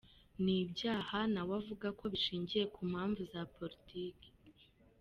Ni ibyaha na we avuga ko bishingiye ku mpamvu za Politiki.